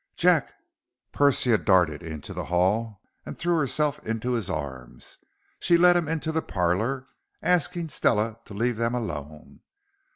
"Jack!" Persia darted into the hall and threw herself into his arms. She led him into the parlor, asking Stella to leave them alone.